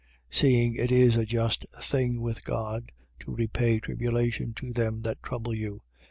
1:6. Seeing it is a just thing with God to repay tribulation to them that trouble you: 1:7.